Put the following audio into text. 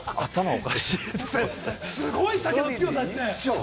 すごい酒の強さですね。